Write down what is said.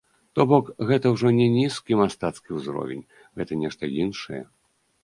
То бок, гэта ўжо не нізкі мастацкі ўзровень, гэта нешта іншае.